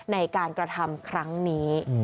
ในการกระทำครั้งนี้